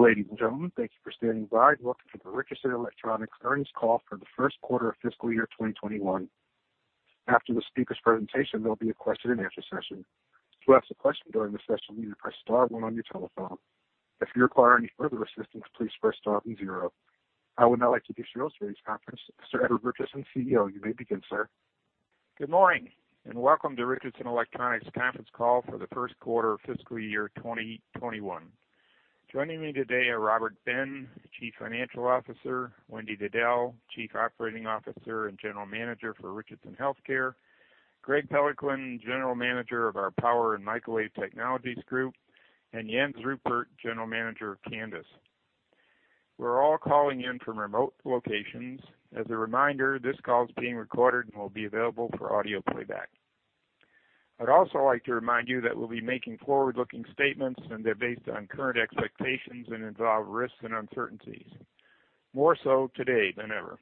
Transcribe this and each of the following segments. Ladies and gentlemen, thank you for standing by. Welcome to the Richardson Electronics earnings call for the first quarter of fiscal year 2021. After the speaker's presentation, there'll be a question and answer session. To ask a question during the session, you may press star one on your telephone. If you require any further assistance, please press star then zero. I would now like to introduce today's conference, Mr. Edward Richardson, CEO. You may begin, sir. Good morning, and welcome to Richardson Electronics conference call for the first quarter of fiscal year 2021. Joining me today are Robert Ben, Chief Financial Officer, Wendy Diddell, Chief Operating Officer and General Manager for Richardson Healthcare, Greg Peloquin, General Manager of our Power & Microwave Technologies Group, and Jens Ruppert, General Manager of Canvys. We're all calling in from remote locations. As a reminder, this call is being recorded and will be available for audio playback. I'd also like to remind you that we'll be making forward-looking statements, and they're based on current expectations and involve risks and uncertainties, more so today than ever.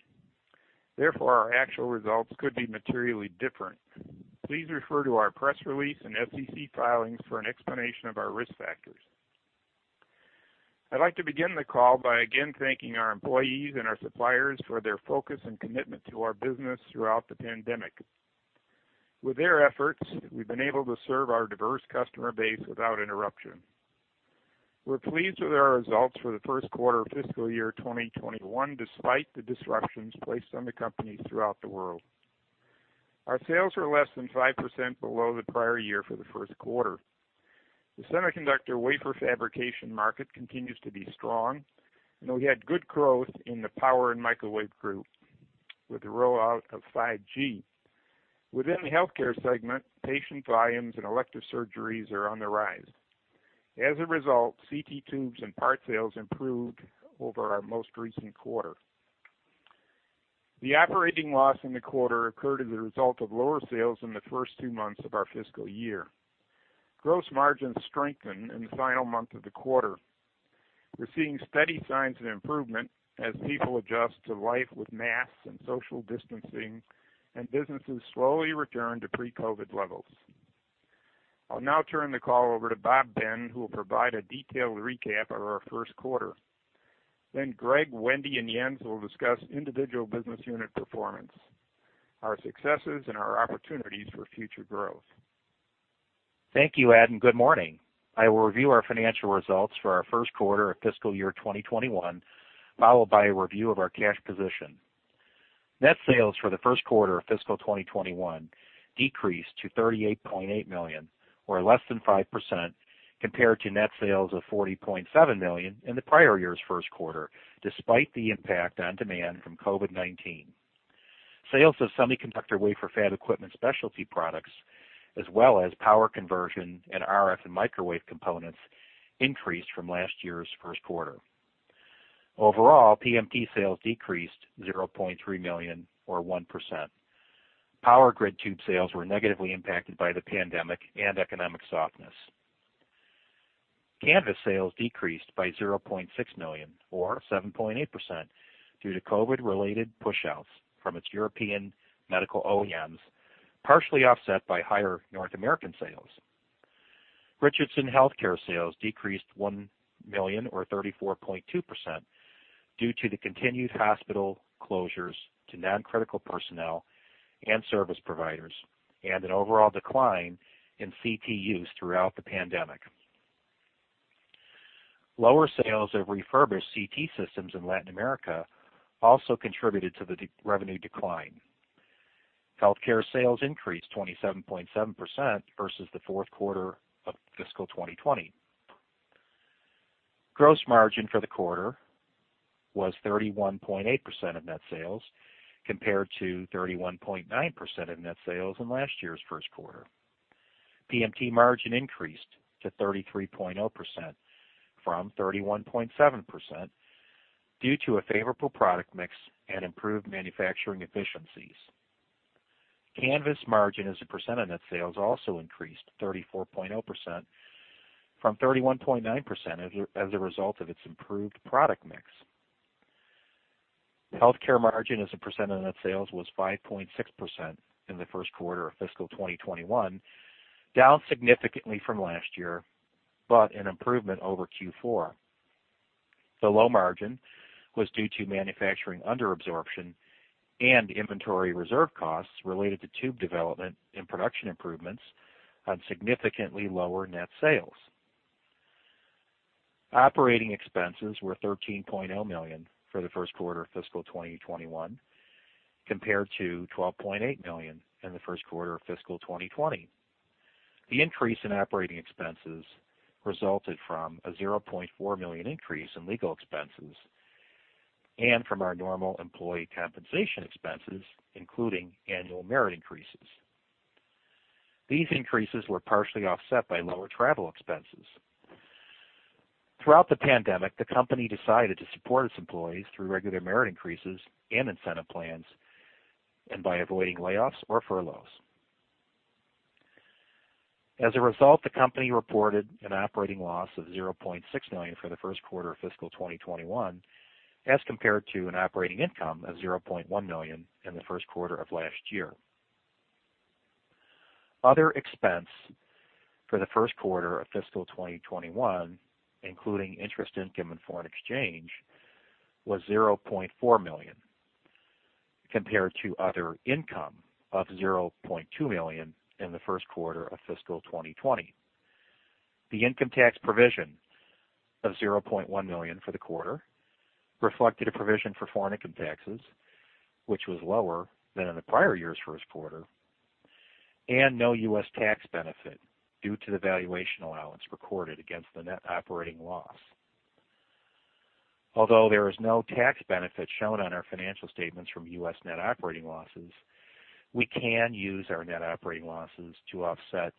Therefore, our actual results could be materially different. Please refer to our press release and SEC filings for an explanation of our risk factors. I'd like to begin the call by again thanking our employees and our suppliers for their focus and commitment to our business throughout the pandemic. With their efforts, we've been able to serve our diverse customer base without interruption. We're pleased with our results for the first quarter of fiscal year 2021, despite the disruptions placed on the company throughout the world. Our sales are less than 5% below the prior year for the first quarter. The semiconductor wafer fabrication market continues to be strong, and we had good growth in the Power & Microwave Technologies group with the rollout of 5G. Within the healthcare segment, patient volumes and elective surgeries are on the rise. As a result, CT tubes and part sales improved over our most recent quarter. The operating loss in the quarter occurred as a result of lower sales in the first two months of our fiscal year. Gross margins strengthened in the final month of the quarter. We're seeing steady signs of improvement as people adjust to life with masks and social distancing, and businesses slowly return to pre-COVID-19 levels. I'll now turn the call over to Bob Ben, who will provide a detailed recap of our first quarter. Greg, Wendy, and Jens will discuss individual business unit performance, our successes, and our opportunities for future growth. Thank you, Ed, and good morning. I will review our financial results for our first quarter of fiscal year 2021, followed by a review of our cash position. Net sales for the first quarter of fiscal 2021 decreased to $38.8 million, or less than 5%, compared to net sales of $40.7 million in the prior year's first quarter, despite the impact on demand from COVID-19. Sales of semiconductor wafer fab equipment specialty products, as well as power conversion and RF and microwave components, increased from last year's first quarter. Overall, PMT sales decreased $0.3 million, or 1%. Power grid tube sales were negatively impacted by the pandemic and economic softness. Canvys sales decreased by $0.6 million, or 7.8%, due to COVID-related pushouts from its European medical OEMs, partially offset by higher North American sales. Richardson Healthcare sales decreased $1 million, or 34.2%, due to the continued hospital closures to non-critical personnel and service providers, and an overall decline in CT use throughout the pandemic. Lower sales of refurbished CT systems in Latin America also contributed to the revenue decline. Healthcare sales increased 27.7% versus the fourth quarter of fiscal 2020. Gross margin for the quarter was 31.8% of net sales, compared to 31.9% of net sales in last year's first quarter. PMT margin increased to 33.0% from 31.7% due to a favorable product mix and improved manufacturing efficiencies. Canvys margin as a percent of net sales also increased to 34.0%, from 31.9%, as a result of its improved product mix. The healthcare margin as a percent of net sales was 5.6% in the first quarter of fiscal 2021, down significantly from last year, but an improvement over Q4. The low margin was due to manufacturing under absorption and inventory reserve costs related to tube development and production improvements on significantly lower net sales. Operating expenses were $13.0 million for the first quarter of fiscal 2021, compared to $12.8 million in the first quarter of fiscal 2020. The increase in operating expenses resulted from a $0.4 million increase in legal expenses and from our normal employee compensation expenses, including annual merit increases. These increases were partially offset by lower travel expenses. Throughout the pandemic, the company decided to support its employees through regular merit increases and incentive plans and by avoiding layoffs or furloughs. As a result, the company reported an operating loss of $0.6 million for the first quarter of fiscal 2021 as compared to an operating income of $0.1 million in the first quarter of last year. Other expense for the first quarter of fiscal 2021, including interest income and foreign exchange, was $0.4 million, compared to other income of $0.2 million in the first quarter of fiscal 2020. The income tax provision of $0.1 million for the quarter reflected a provision for foreign income taxes, which was lower than in the prior year's first quarter, and no U.S. tax benefit due to the valuation allowance recorded against the net operating loss. Although there is no tax benefit shown on our financial statements from U.S. net operating losses, we can use our net operating losses to offset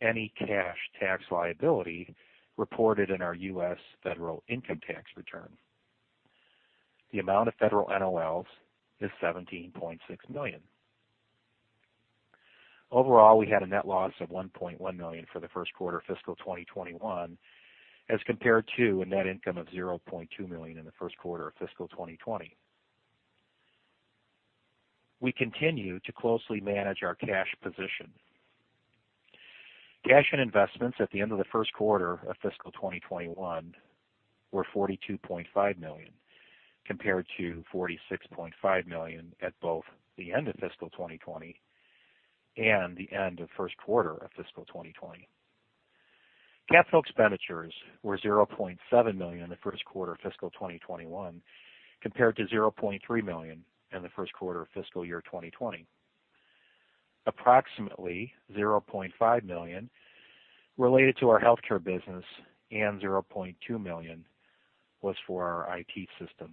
any cash tax liability reported in our U.S. federal income tax return. The amount of federal NOLs is $17.6 million. Overall, we had a net loss of $1.1 million for the first quarter fiscal 2021, as compared to a net income of $0.2 million in the first quarter of fiscal 2020. We continue to closely manage our cash position. Cash and investments at the end of the first quarter of fiscal 2021 were $42.5 million, compared to $46.5 million at both the end of fiscal 2020 and the end of first quarter of fiscal 2020. Capital expenditures were $0.7 million in the first quarter of fiscal 2021, compared to $0.3 million in the first quarter of fiscal year 2020. Approximately $0.5 million related to our healthcare business and $0.2 million was for our IT system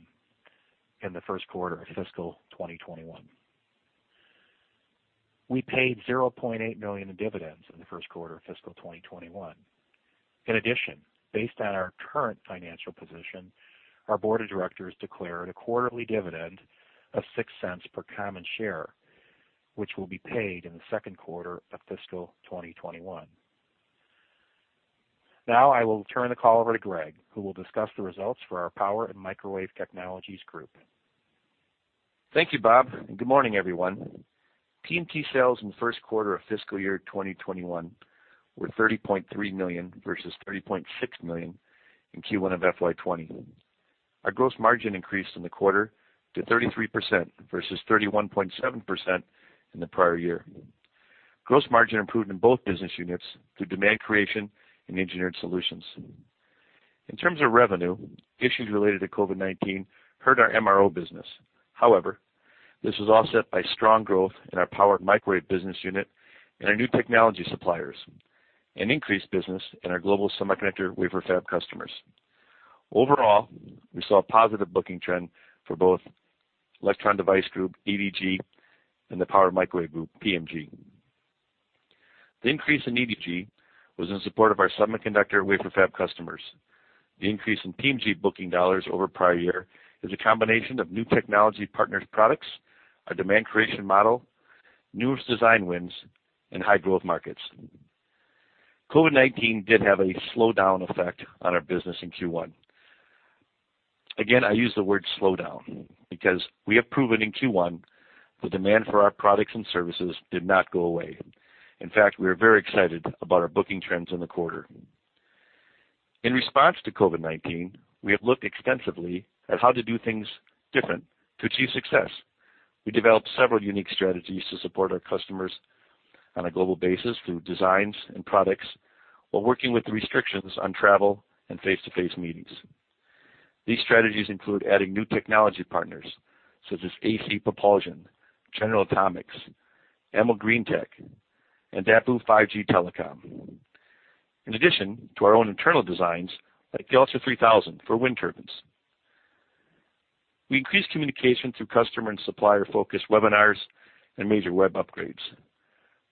in the first quarter of fiscal 2021. We paid $0.8 million in dividends in the first quarter of fiscal 2021. In addition, based on our current financial position, our board of directors declared a quarterly dividend of $0.06 per common share, which will be paid in the second quarter of fiscal 2021. Now, I will turn the call over to Greg, who will discuss the results for our Power & Microwave Technologies Group. Thank you, Bob, and good morning, everyone. PMT sales in the first quarter of fiscal year 2021 were $30.3 million, versus $30.6 million in Q1 of FY 2020. Our gross margin increased in the quarter to 33%, versus 31.7% in the prior year. Gross margin improved in both business units through demand creation and engineered solutions. In terms of revenue, issues related to COVID-19 hurt our MRO business. This was offset by strong growth in our power microwave business unit and our new technology suppliers, and increased business in our global semiconductor wafer fab customers. We saw a positive booking trend for both Electron Device Group, EDG, and the Power Microwave Group, PMG. The increase in EDG was in support of our semiconductor wafer fab customers. The increase in PMG booking dollars over prior year is a combination of new technology partners' products, our demand creation model, newest design wins, and high-growth markets. COVID-19 did have a slowdown effect on our business in Q1. Again, I use the word slowdown because we have proven in Q1 the demand for our products and services did not go away. In fact, we are very excited about our booking trends in the quarter. In response to COVID-19, we have looked extensively at how to do things different to achieve success. We developed several unique strategies to support our customers on a global basis through designs and products, while working with the restrictions on travel and face-to-face meetings. These strategies include adding new technology partners such as AC Propulsion, General Atomics, AMOGREENTECH, and DAPU 5G Telecom, in addition to our own internal designs like the ULTRA3000 for wind turbines. We increased communication through customer and supplier-focused webinars and major web upgrades.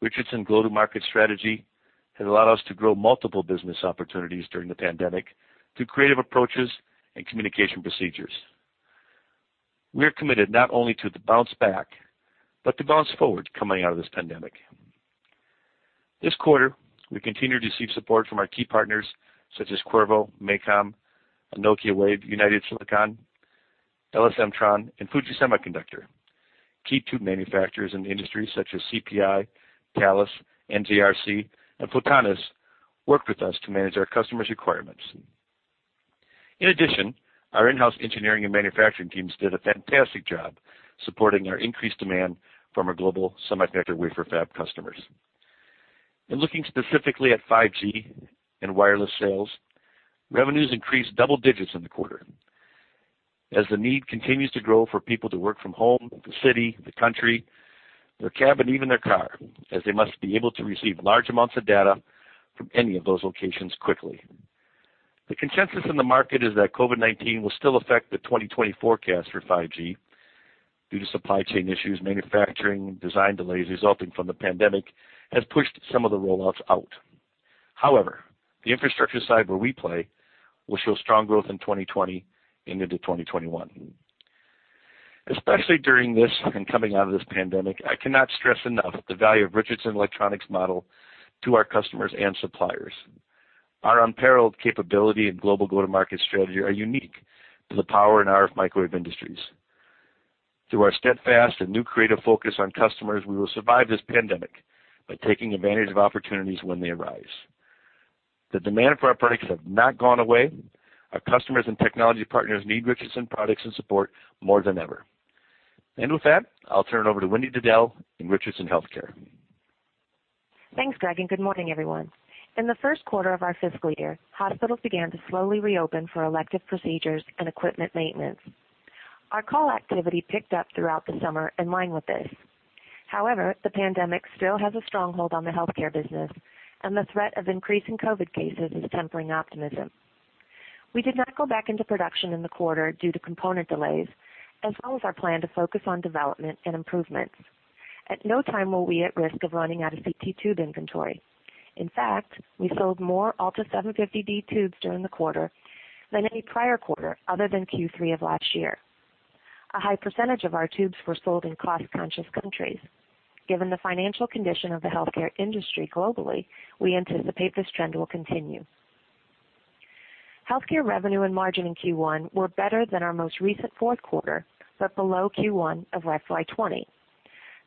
Richardson global-to-market strategy has allowed us to grow multiple business opportunities during the pandemic through creative approaches and communication procedures. We are committed not only to the bounce back, but to bounce forward coming out of this pandemic. This quarter, we continue to receive support from our key partners such as Qorvo, MACOM, Nokia, Wave, United Silicon, LS Mtron, and Fuji Electric. Key tube manufacturers in the industry such as CPI, Thales, NJRC, and Photonis worked with us to manage our customers' requirements. In addition, our in-house engineering and manufacturing teams did a fantastic job supporting our increased demand from our global semiconductor wafer fab customers. In looking specifically at 5G and wireless sales, revenues increased double digits in the quarter as the need continues to grow for people to work from home, the city, the country, their cabin, even their car, as they must be able to receive large amounts of data from any of those locations quickly. The consensus in the market is that COVID-19 will still affect the 2020 forecast for 5G due to supply chain issues, manufacturing, design delays resulting from the pandemic has pushed some of the rollouts out. However, the infrastructure side where we play will show strong growth in 2020 and into 2021. Especially during this and coming out of this pandemic, I cannot stress enough the value of Richardson Electronics' model to our customers and suppliers. Our unparalleled capability and global go-to-market strategy are unique to the power and RF microwave industries. Through our steadfast and new creative focus on customers, we will survive this pandemic by taking advantage of opportunities when they arise. The demand for our products have not gone away. Our customers and technology partners need Richardson products and support more than ever. With that, I'll turn it over to Wendy Diddell in Richardson Healthcare. Thanks, Greg, and good morning, everyone. In the first quarter of our fiscal year, hospitals began to slowly reopen for elective procedures and equipment maintenance. Our call activity picked up throughout the summer in line with this. However, the pandemic still has a stronghold on the healthcare business, and the threat of increasing COVID-19 cases is tempering optimism. We did not go back into production in the quarter due to component delays, as well as our plan to focus on development and improvements. At no time were we at risk of running out of CT tube inventory. In fact, we sold more ALTA750D tubes during the quarter than any prior quarter other than Q3 of last year. A high percentage of our tubes were sold in cost-conscious countries. Given the financial condition of the healthcare industry globally, we anticipate this trend will continue. Healthcare revenue and margin in Q1 were better than our most recent fourth quarter, below Q1 of FY 2020.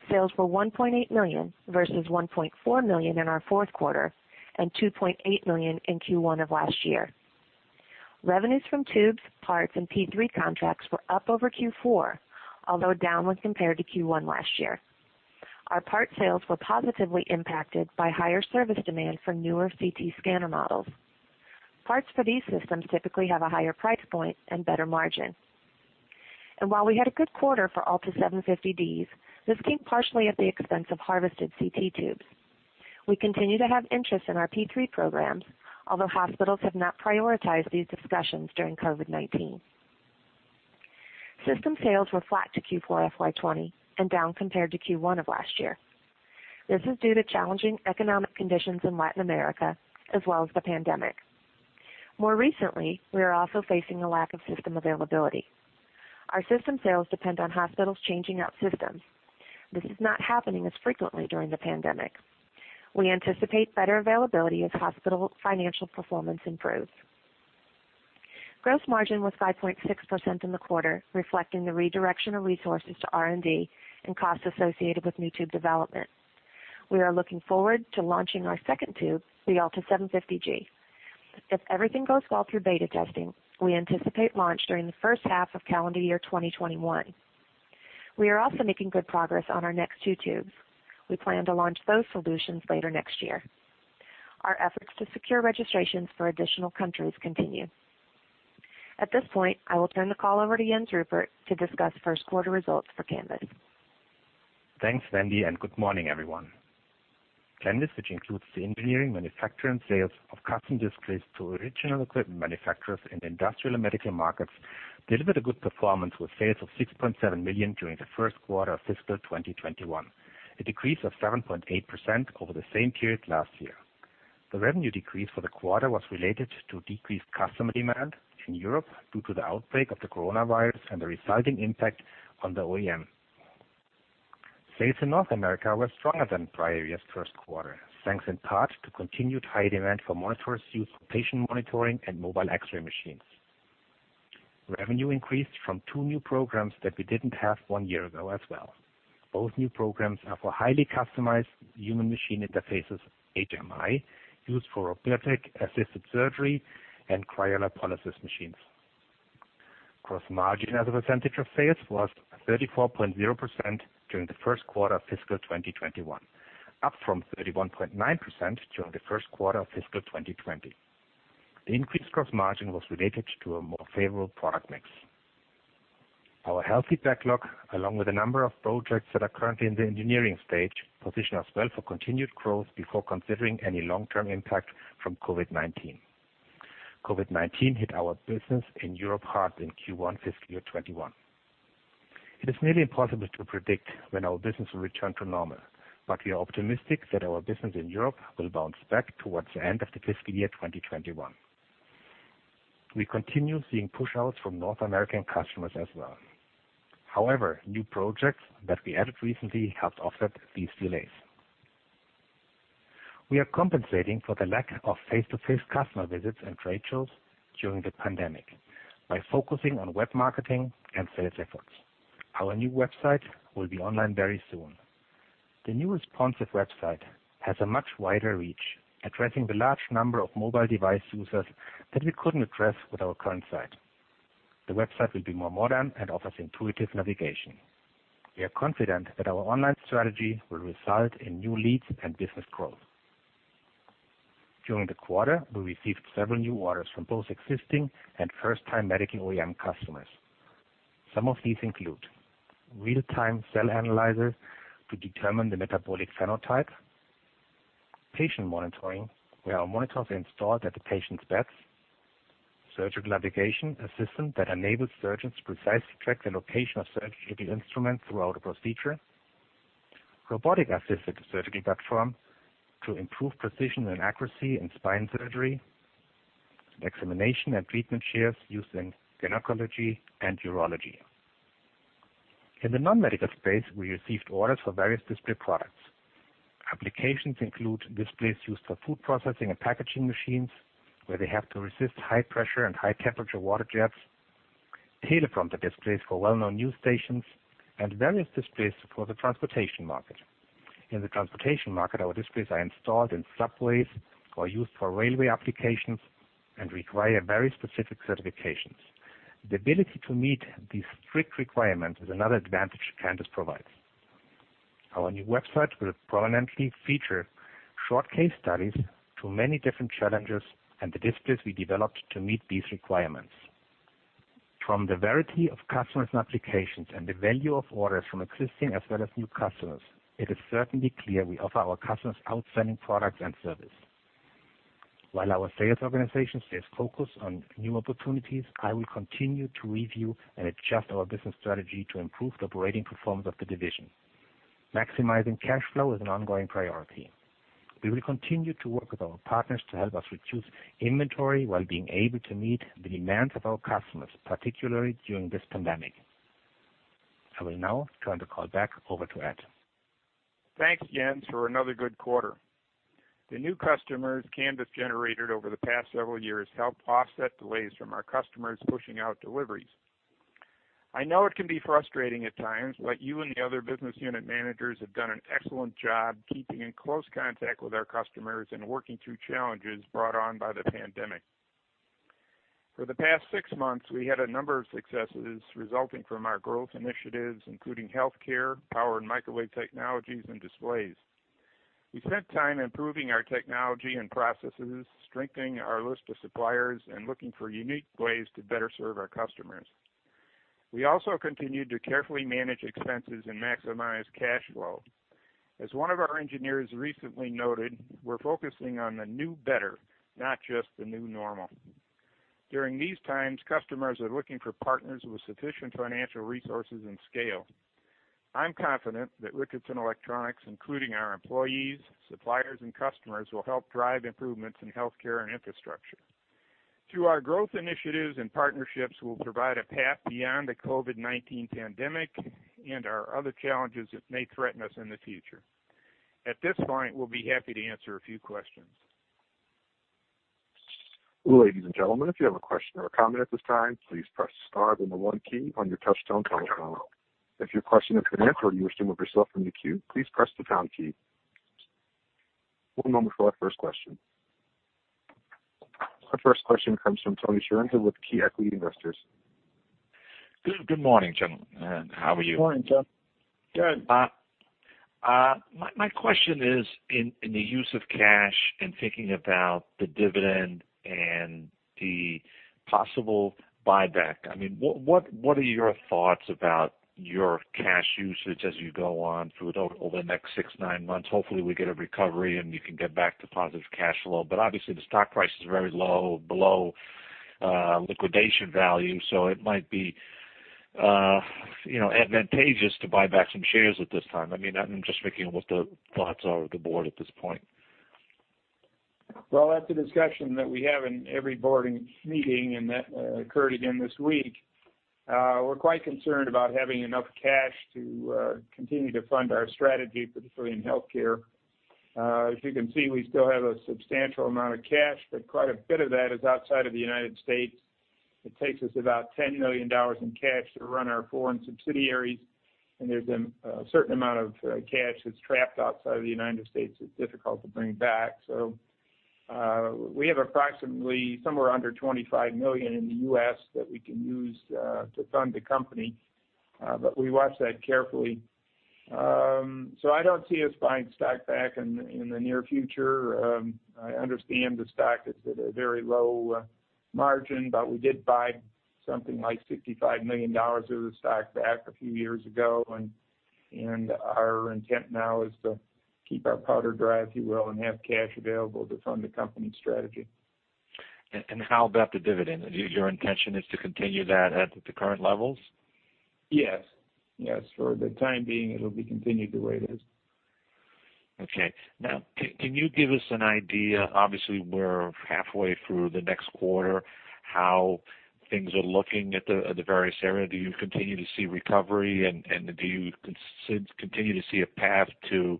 Sales were $1.8 million versus $1.4 million in our fourth quarter and $2.8 million in Q1 of last year. Revenues from tubes, parts, and P3 contracts were up over Q4, although down when compared to Q1 last year. Our parts sales were positively impacted by higher service demand for newer CT scanner models. Parts for these systems typically have a higher price point and better margin. While we had a good quarter for ALTA750D, this came partially at the expense of harvested CT tubes. We continue to have interest in our P3 programs, although hospitals have not prioritized these discussions during COVID-19. System sales were flat to Q4 FY 2020 and down compared to Q1 of last year. This is due to challenging economic conditions in Latin America as well as the pandemic. More recently, we are also facing a lack of system availability. Our system sales depend on hospitals changing out systems. This is not happening as frequently during the pandemic. We anticipate better availability as hospital financial performance improves. Gross margin was 5.6% in the quarter, reflecting the redirection of resources to R&D and costs associated with new tube development. We are looking forward to launching our second tube, the ALTA750G. If everything goes well through beta testing, we anticipate launch during the first half of calendar year 2021. We are also making good progress on our next two tubes. We plan to launch those solutions later next year. Our efforts to secure registrations for additional countries continue. At this point, I will turn the call over to Jens Ruppert to discuss first quarter results for Canvys. Thanks, Wendy, and good morning, everyone. Canvys, which includes the engineering, manufacture, and sales of custom displays to original equipment manufacturers in the industrial and medical markets, delivered a good performance with sales of $6.7 million during the first quarter of fiscal 2021, a decrease of 7.8% over the same period last year. The revenue decrease for the quarter was related to decreased customer demand in Europe due to the outbreak of the coronavirus and the resulting impact on the OEM. Sales in North America were stronger than the prior year's first quarter, thanks in part to continued high demand for monitors used for patient monitoring and mobile X-ray machines. Revenue increased from two new programs that we didn't have one year ago as well. Both new programs are for highly customized human machine interfaces, HMI, used for robotic-assisted surgery and cryolipolysis machines. Gross margin as a percentage of sales was 34.0% during the first quarter of fiscal 2021, up from 31.9% during the first quarter of fiscal 2020. The increased gross margin was related to a more favorable product mix. Our healthy backlog, along with a number of projects that are currently in the engineering stage, position us well for continued growth before considering any long-term impact from COVID-19. COVID-19 hit our business in Europe hard in Q1 fiscal year 2021. It is nearly impossible to predict when our business will return to normal, but we are optimistic that our business in Europe will bounce back towards the end of the fiscal year 2021. We continue seeing push-outs from North American customers as well. However, new projects that we added recently have offset these delays. We are compensating for the lack of face-to-face customer visits and trade shows during the pandemic by focusing on web marketing and sales efforts. Our new website will be online very soon. The new responsive website has a much wider reach, addressing the large number of mobile device users that we couldn't address with our current site. The website will be more modern and offers intuitive navigation. We are confident that our online strategy will result in new leads and business growth. During the quarter, we received several new orders from both existing and first-time medical OEM customers. Some of these include real-time cell analyzers to determine the metabolic phenotype, patient monitoring, where our monitors are installed at the patient's beds, surgical navigation, a system that enables surgeons to precisely track the location of surgical instruments throughout a procedure, robotic-assisted surgical platform to improve precision and accuracy in spine surgery, examination and treatment chairs used in gynecology and urology. In the non-medical space, we received orders for various display products. Applications include displays used for food processing and packaging machines, where they have to resist high-pressure and high-temperature water jets, teleprompter displays for well-known news stations, and various displays for the transportation market. In the transportation market, our displays are installed in subways or used for railway applications and require very specific certifications. The ability to meet these strict requirements is another advantage Canvys provides. Our new website will prominently feature short case studies to many different challenges and the displays we developed to meet these requirements. From the variety of customers and applications and the value of orders from existing as well as new customers, it is certainly clear we offer our customers outstanding products and service. While our sales organization stays focused on new opportunities, I will continue to review and adjust our business strategy to improve the operating performance of the division. Maximizing cash flow is an ongoing priority. We will continue to work with our partners to help us reduce inventory while being able to meet the demands of our customers, particularly during this pandemic. I will now turn the call back over to Ed. Thanks, Jens, for another good quarter. The new customers Canvys generated over the past several years helped offset delays from our customers pushing out deliveries. I know it can be frustrating at times, but you and the other business unit managers have done an excellent job keeping in close contact with our customers and working through challenges brought on by the pandemic. For the past six months, we had a number of successes resulting from our growth initiatives, including Healthcare, Power & Microwave Technologies, and displays. We spent time improving our technology and processes, strengthening our list of suppliers, and looking for unique ways to better serve our customers. We also continued to carefully manage expenses and maximize cash flow. As one of our engineers recently noted, we're focusing on the new better, not just the new normal. During these times, customers are looking for partners with sufficient financial resources and scale. I'm confident that Richardson Electronics, including our employees, suppliers, and customers, will help drive improvements in healthcare and infrastructure. Through our growth initiatives and partnerships, we'll provide a path beyond the COVID-19 pandemic and our other challenges that may threaten us in the future. At this point, we'll be happy to answer a few questions. Ladies and gentlemen, if you have a question or a comment at this time, please press star then the one key on your touchtone telephone. If your question has been answered or you wish to remove yourself from the queue, please press the pound key. One moment for our first question. Our first question comes from Tony Chiarenza with Key Equity Investors. Good morning, gentlemen. How are you? Good morning, Tony. Good. My question is in the use of cash and thinking about the dividend and the possible buyback. What are your thoughts about your cash usage as you go on through over the next six, nine months? Hopefully, we get a recovery, and you can get back to positive cash flow. Obviously, the stock price is very low, below liquidation value, so it might be advantageous to buy back some shares at this time. I'm just thinking what the thoughts are of the board at this point. Well, that's a discussion that we have in every board meeting, and that occurred again this week. We're quite concerned about having enough cash to continue to fund our strategy, particularly in healthcare. As you can see, we still have a substantial amount of cash, but quite a bit of that is outside of the United States. It takes us about $10 million in cash to run our foreign subsidiaries, and there's a certain amount of cash that's trapped outside of the United States that's difficult to bring back. We have approximately somewhere under $25 million in the U.S. that we can use to fund the company. We watch that carefully. I don't see us buying stock back in the near future. I understand the stock is at a very low margin, but we did buy something like $65 million of the stock back a few years ago, and our intent now is to keep our powder dry, if you will, and have cash available to fund the company strategy. How about the dividend? Your intention is to continue that at the current levels? Yes. For the time being, it'll be continued the way it is. Okay. Now, can you give us an idea, obviously, we're halfway through the next quarter, how things are looking at the various areas? Do you continue to see recovery, and do you continue to see a path to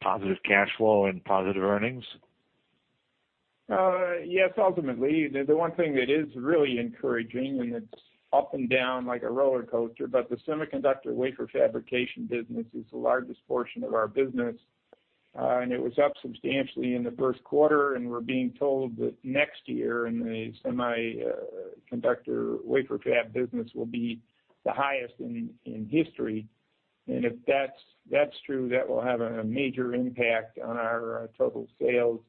positive cash flow and positive earnings? Yes, ultimately. The one thing that is really encouraging, it's up and down like a roller coaster, the semiconductor wafer fabrication business is the largest portion of our business, it was up substantially in the first quarter, we're being told that next year in the semiconductor wafer fab business will be the highest in history. If that's true, that will have a major impact on our total sales.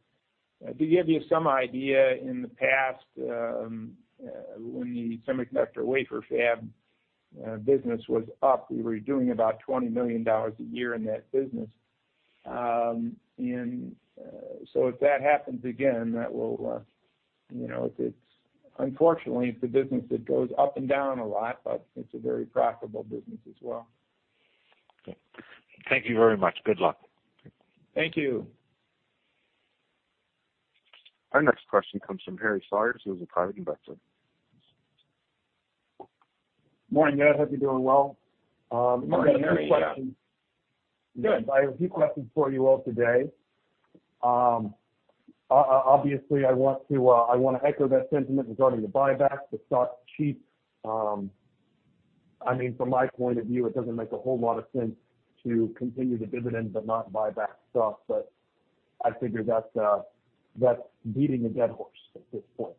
To give you some idea, in the past, when the semiconductor wafer fab business was up, we were doing about $20 million a year in that business. If that happens again, it's unfortunately, it's a business that goes up and down a lot, it's a very profitable business as well. Okay. Thank you very much. Good luck. Thank you. Our next question comes from Harry Saunders, who's a private investor. Morning, Ed. Hope you're doing well. Morning, Harry. Good. I have a few questions for you all today. Obviously, I want to echo that sentiment regarding the buyback. The stock's cheap. From my point of view, it doesn't make a whole lot of sense to continue the dividend but not buy back stock, but I figure that's beating a dead horse at this point.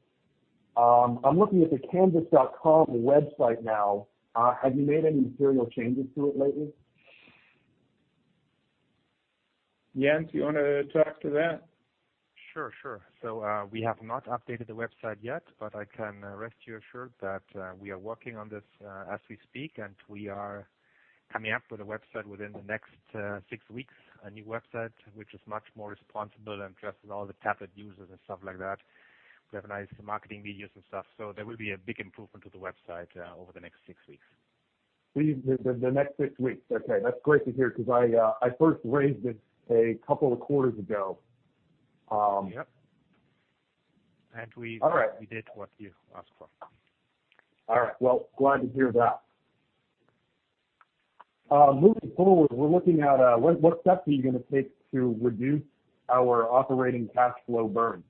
I'm looking at the Canvys website now. Have you made any material changes to it lately? Jens, you want to talk to that? Sure. We have not updated the website yet, but I can rest you assured that we are working on this as we speak, and we are coming up with a website within the next six weeks. A new website, which is much more responsible and addresses all the tablet users and stuff like that. We have nice marketing videos and stuff, so there will be a big improvement to the website over the next six weeks. The next six weeks. Okay. That's great to hear because I first raised it a couple of quarters ago. Yep. All right. We did what you asked for. All right. Glad to hear that. Moving forward, what steps are you going to take to reduce our operating cash flow burn?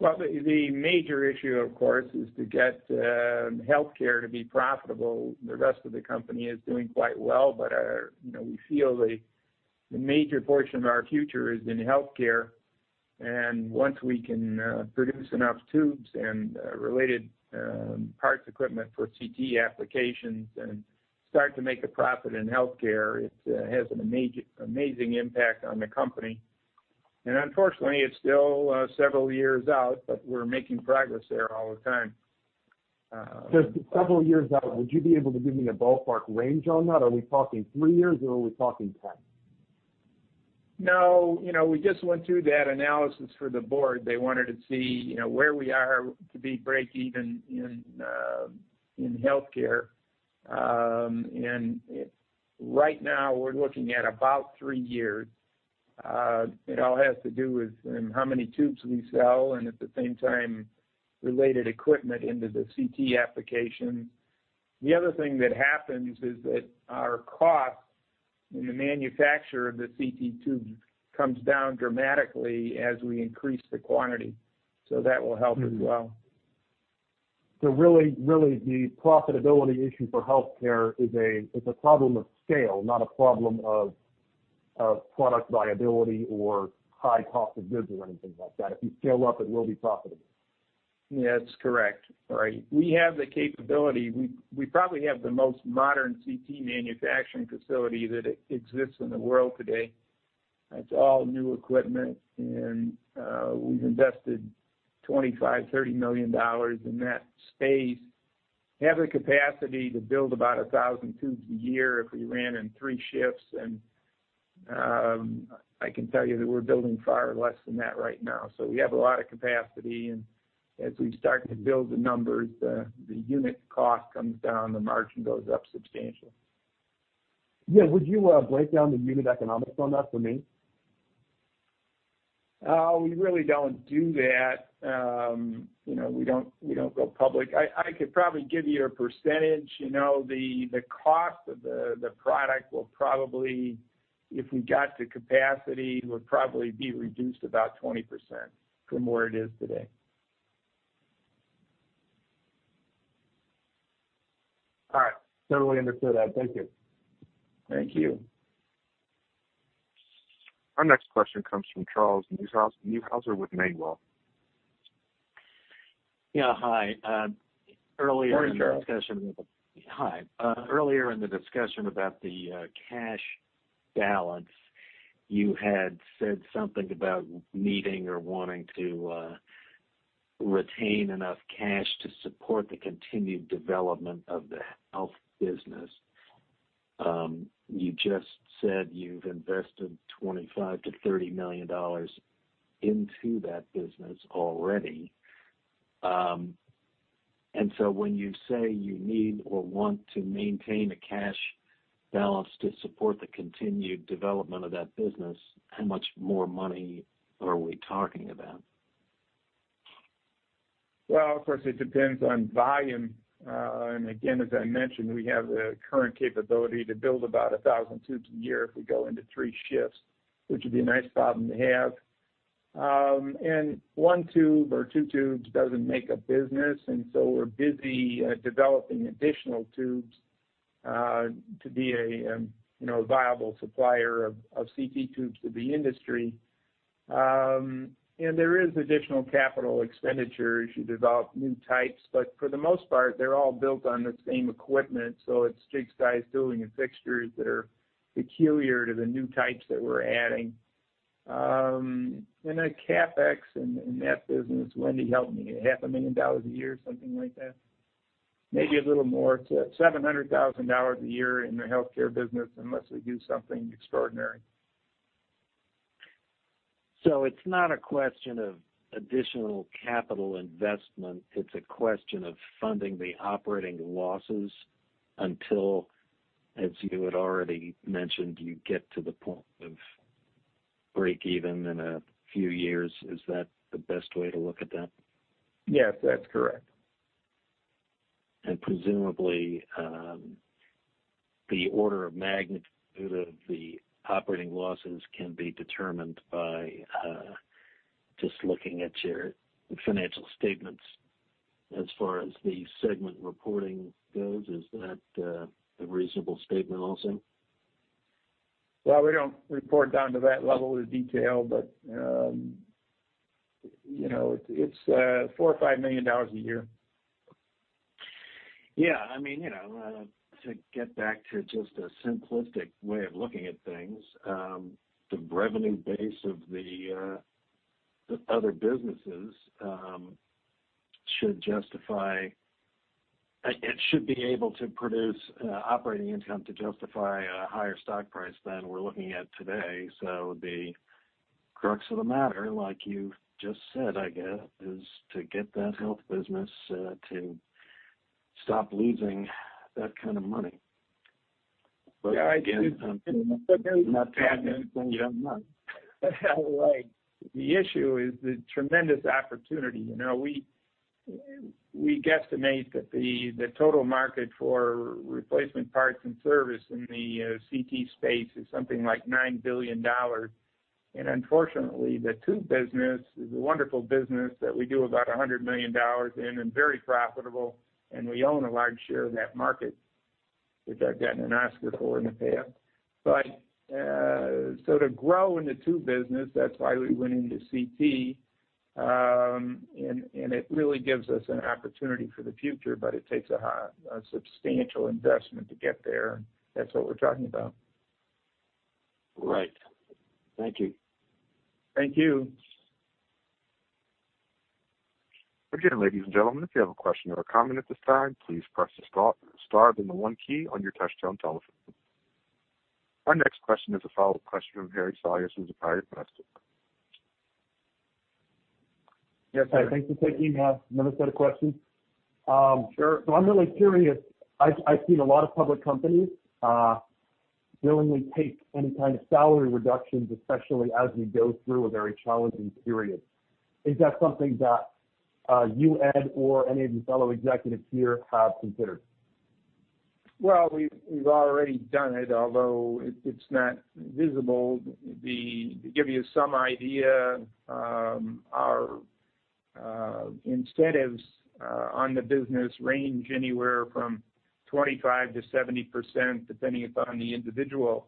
Well, the major issue, of course, is to get Healthcare to be profitable. The rest of the company is doing quite well, but we feel the major portion of our future is in Healthcare. Once we can produce enough tubes and related parts equipment for CT applications and start to make a profit in Healthcare, it has an amazing impact on the company. Unfortunately, it's still several years out, but we're making progress there all the time. Just, several years out, would you be able to give me a ballpark range on that? Are we talking three years or are we talking 10? No, we just went through that analysis for the board. They wanted to see where we are to be breakeven in Healthcare. Right now, we're looking at about three years. It all has to do with how many tubes we sell and at the same time, related equipment into the CT application. The other thing that happens is that our cost in the manufacture of the CT tubes comes down dramatically as we increase the quantity. That will help as well. Really the profitability issue for healthcare is a problem of scale, not a problem of product viability or high cost of goods or anything like that. If you scale up, it will be profitable. That's correct. Right. We have the capability. We probably have the most modern CT manufacturing facility that exists in the world today. It's all new equipment, and we've invested $25 million, $30 million in that space. We have the capacity to build about 1,000 tubes a year if we ran in three shifts, and I can tell you that we're building far less than that right now. We have a lot of capacity, and as we start to build the numbers, the unit cost comes down, the margin goes up substantially. Yeah. Would you break down the unit economics on that for me? We really don't do that. We don't go public. I could probably give you a percentage. The cost of the product will probably, if we got to capacity, would probably be reduced about 20% from where it is today. All right. Totally understood that. Thank you. Thank you. Our next question comes from Charles Neuhauser with Mainwall. Yeah. Hi. Morning, Charles. Hi. Earlier in the discussion about the cash balance, you had said something about needing or wanting to retain enough cash to support the continued development of the health business. You just said you've invested $25 million-$30 million into that business already. When you say you need or want to maintain a cash balance to support the continued development of that business, how much more money are we talking about? Well, of course, it depends on volume. Again, as I mentioned, we have the current capability to build about 1,000 tubes a year if we go into three shifts, which would be a nice problem to have. One tube or two tubes doesn't make a business. We're busy developing additional CT tubes to be a viable supplier to the industry. There is additional capital expenditure as you develop new types, but for the most part, they're all built on the same equipment. It's jigs, dies, tooling, and fixtures that are peculiar to the new types that we're adding. The CapEx in that business, Wendy, help me, half a million dollars a year, something like that? Maybe a little more. It's at $700,000 a year in the healthcare business unless we do something extraordinary. It's not a question of additional capital investment, it's a question of funding the operating losses until, as you had already mentioned, you get to the point of break even in a few years. Is that the best way to look at that? Yes, that's correct. Presumably, the order of magnitude of the operating losses can be determined by just looking at your financial statements as far as the segment reporting goes. Is that a reasonable statement also? Well, we don't report down to that level of detail, but it's $4 or $5 million a year. To get back to just a simplistic way of looking at things, the revenue base of the other businesses should be able to produce operating income to justify a higher stock price than we're looking at today. The crux of the matter, like you just said, I guess, is to get that Healthcare business to stop losing that kind of money. Yeah. Again, I'm not adding anything you don't know. Right. The issue is the tremendous opportunity. We guesstimate that the total market for replacement parts and service in the CT space is something like $9 billion. Unfortunately, the tube business is a wonderful business that we do about $100 million in and very profitable, and we own a large share of that market, which I've gotten an Oscar for in the past. To grow in the tube business, that's why we went into CT. It really gives us an opportunity for the future, but it takes a substantial investment to get there. That's what we're talking about. Right. Thank you. Thank you. Again, ladies and gentlemen, if you have a question or a comment at this time, please press the star then the one key on your touch-tone telephone. Our next question is a follow-up question from Harry Saunders with private investor. Yes, Harry. Thanks for taking another set of questions. Sure. I'm really curious. I've seen a lot of public companies willingly take any kind of salary reductions, especially as we go through a very challenging period. Is that something that you, Ed, or any of your fellow executives here have considered? Well, we've already done it, although it's not visible. To give you some idea, our incentives on the business range anywhere from 25%-70%, depending upon the individual.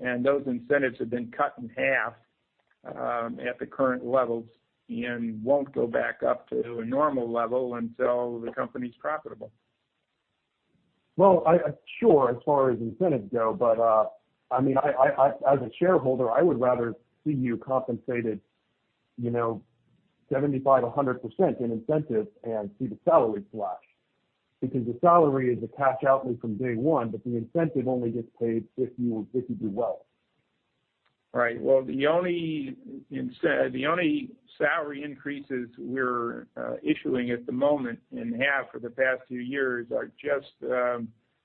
Those incentives have been cut in half at the current levels and won't go back up to a normal level until the company's profitable. Well, sure, as far as incentives go, but as a shareholder, I would rather see you compensated 75%-100% in incentives and see the salaries slash. The salary is a cash outlay from day one, but the incentive only gets paid if you do well. Right. Well, the only salary increases we're issuing at the moment, and have for the past few years, are just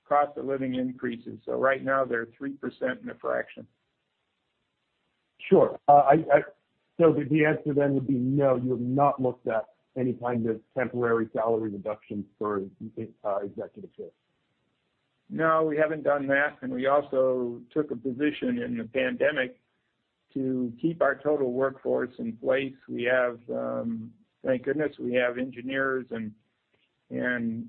cost of living increases. Right now, they're 3% and a fraction. Sure. The answer then would be no, you have not looked at any kind of temporary salary reductions for executive shares. No, we haven't done that, and we also took a position in the pandemic to keep our total workforce in place. Thank goodness we have engineers and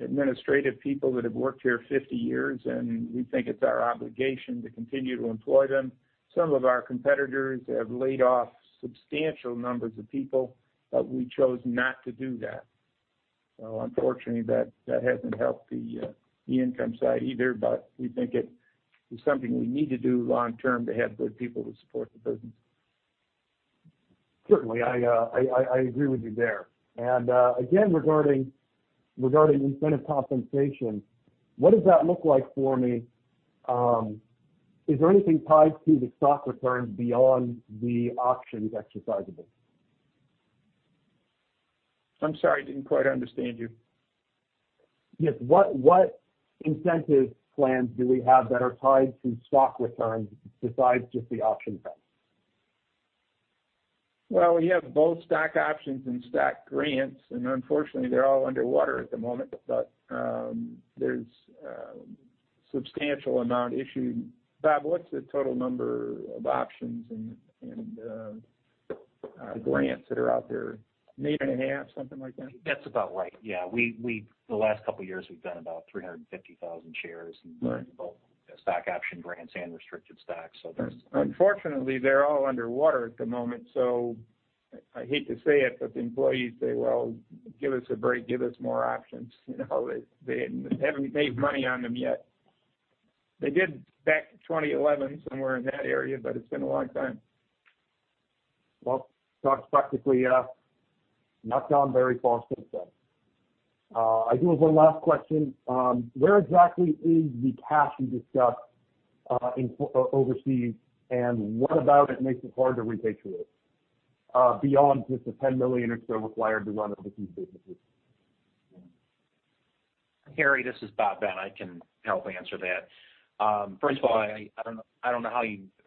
administrative people that have worked here 50 years, and we think it's our obligation to continue to employ them. Some of our competitors have laid off substantial numbers of people, but we chose not to do that. Unfortunately, that hasn't helped the income side either, but we think it is something we need to do long term to have good people to support the business. Certainly, I agree with you there. Again, regarding incentive compensation, what does that look like for me? Is there anything tied to the stock returns beyond the options exercisable? I'm sorry, I didn't quite understand you. Yes. What incentive plans do we have that are tied to stock returns besides just the option plan? Well, we have both stock options and stock grants. Unfortunately, they're all underwater at the moment. There's a substantial amount issued. Bob, what's the total number of options and grants that are out there? 8.5, something like that? That's about right, yeah. The last couple of years, we've done about 350,000 shares in both stock option grants and restricted stocks. Unfortunately, they're all underwater at the moment, so I hate to say it, but the employees say, "Well, give us a break. Give us more options." They haven't made money on them yet. They did back in 2011, somewhere in that area, but it's been a long time. Well, stock's practically not gone very far since then. I do have one last question. Where exactly is the cash you discussed overseas, and what about it makes it hard to repatriate, beyond just the $10 million or so required to run the two businesses? Harry, this is Robert Ben. I can help answer that. First of all, I don't know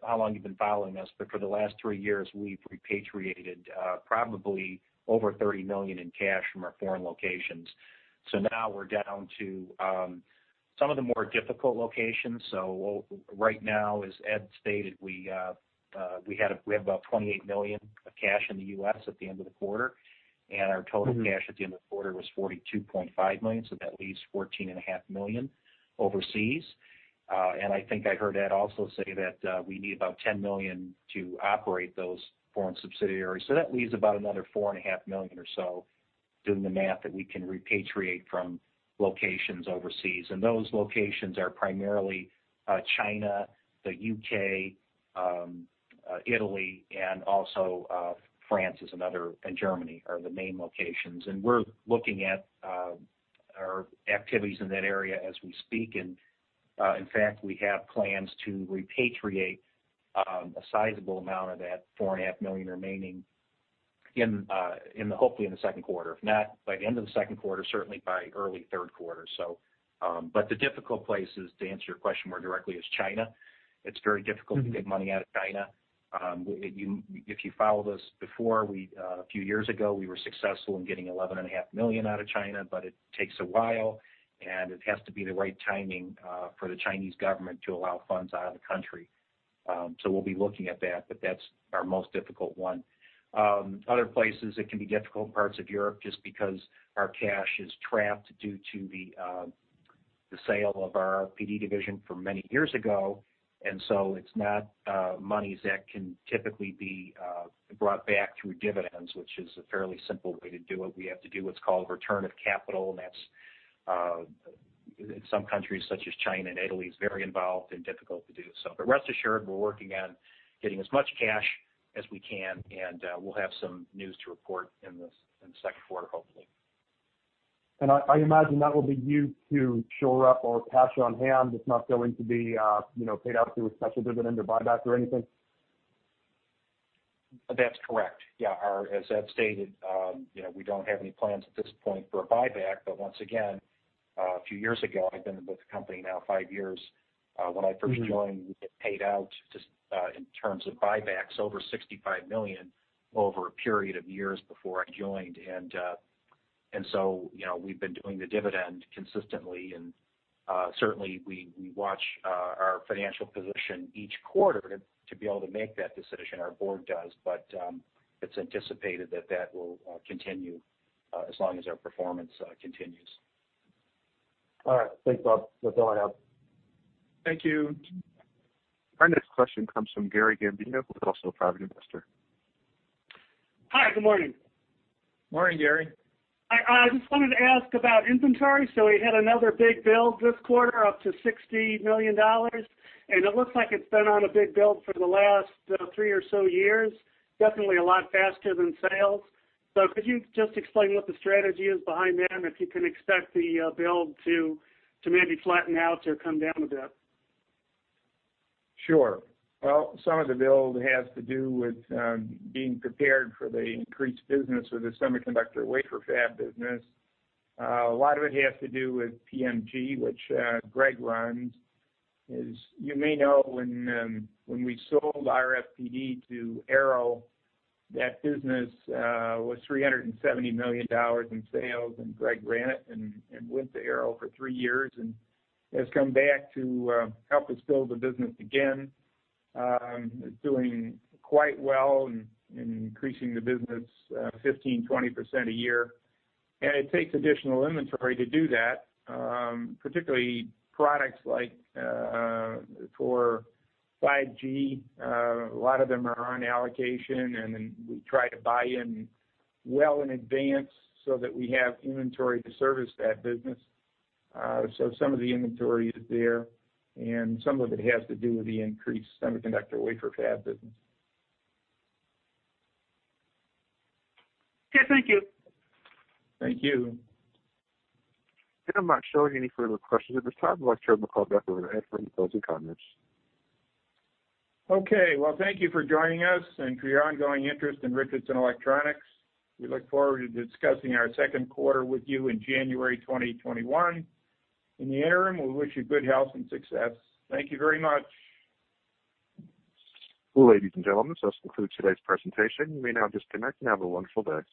how long you've been following us, but for the last three years, we've repatriated probably over $30 million in cash from our foreign locations. Now we're down to some of the more difficult locations. Right now, as Ed stated, we have about $28 million of cash in the U.S. at the end of the quarter, and our total cash at the end of the quarter was $42.5 million, so that leaves $14.5 million overseas. I think I heard Ed also say that we need about $10 million to operate those foreign subsidiaries. That leaves about another $4.5 million or so, doing the math, that we can repatriate from locations overseas. Those locations are primarily China, the U.K., Italy, and also France and Germany are the main locations. We're looking at our activities in that area as we speak, and in fact, we have plans to repatriate a sizable amount of that $4.5 million remaining, hopefully in the second quarter. If not by the end of the second quarter, certainly by early third quarter. The difficult place, to answer your question more directly, is China. It's very difficult to get money out of China. If you followed us before, a few years ago, we were successful in getting $11.5 million out of China, but it takes a while, and it has to be the right timing for the Chinese government to allow funds out of the country. We'll be looking at that, but that's our most difficult one. Other places that can be difficult, parts of Europe, just because our cash is trapped due to the sale of our RFPD division from many years ago, and so it's not monies that can typically be brought back through dividends, which is a fairly simple way to do it. We have to do what's called return of capital, and some countries, such as China and Italy, it's very involved and difficult to do so. But rest assured, we're working on getting as much cash as we can, and we'll have some news to report in the second quarter, hopefully. I imagine that will be used to shore up our cash on hand. It's not going to be paid out through a special dividend or buyback or anything? That's correct. Yeah. As Ed stated, we don't have any plans at this point for a buyback, but once again, a few years ago, I've been with the company now five years. When I first joined, we had paid out, just in terms of buybacks, over $65 million over a period of years before I joined. We've been doing the dividend consistently, and certainly, we watch our financial position each quarter to be able to make that decision. Our board does. It's anticipated that that will continue as long as our performance continues. All right. Thanks, Bob, for following up. Thank you. Our next question comes from Gary Gambino, who's also a private investor. Hi, good morning. Morning, Gary. I just wanted to ask about inventory. We had another big build this quarter, up to $60 million, and it looks like it's been on a big build for the last three or so years, definitely a lot faster than sales. Could you just explain what the strategy is behind that, and if you can expect the build to maybe flatten out or come down a bit? Sure. Well, some of the build has to do with being prepared for the increased business with the semiconductor wafer fab business. A lot of it has to do with PMG, which Greg runs. As you may know, when we sold RFPD to Arrow, that business was $370 million in sales, and Greg ran it and went to Arrow for three years and has come back to help us build the business again. It's doing quite well and increasing the business 15%, 20% a year. It takes additional inventory to do that, particularly products like for 5G. A lot of them are on allocation, and then we try to buy in well in advance so that we have inventory to service that business. Some of the inventory is there, and some of it has to do with the increased semiconductor wafer fab business. Okay, thank you. Thank you. I'm not showing any further questions at this time. I'd like to turn the call back over to Ed for any closing comments. Well, thank you for joining us and for your ongoing interest in Richardson Electronics. We look forward to discussing our second quarter with you in January 2021. In the interim, we wish you good health and success. Thank you very much. Ladies and gentlemen, this concludes today's presentation. You may now disconnect and have a wonderful day.